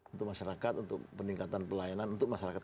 untuk masyarakat untuk peningkatan pelayanan untuk masyarakat